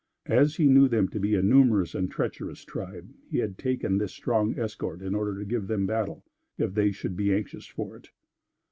As he knew them to be a numerous and treacherous tribe, he had taken this strong escort in order to give them battle, if they should be anxious for it.